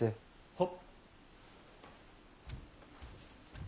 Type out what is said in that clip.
はっ。